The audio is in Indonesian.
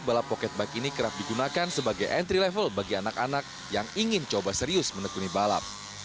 balap pocket bike ini kerap digunakan sebagai entry level bagi anak anak yang ingin coba serius menekuni balap